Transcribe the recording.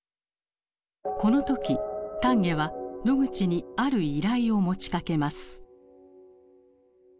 この時丹下はノグチにある依頼を持ちかけます。